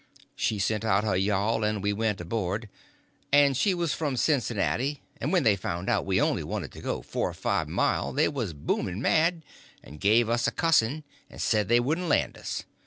She sent out her yawl, and we went aboard, and she was from Cincinnati; and when they found we only wanted to go four or five mile they was booming mad, and gave us a cussing, and said they wouldn't land us.